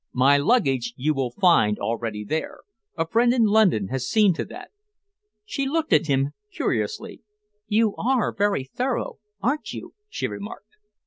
My luggage you will find already there. A friend in London has seen to that." She looked at him curiously. "You are very thorough, aren't you?" she remarked.